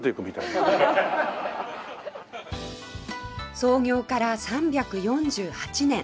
創業から３４８年